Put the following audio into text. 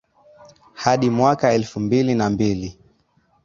hadi mwaka elfu mbili na mbili